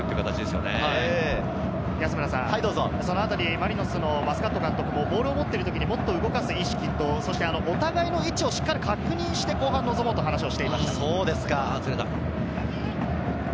マスカット監督もボールを持っている時に、もっと動かす意識と、お互いの位置をしっかり確認をして、後半に臨もうと話をしていました。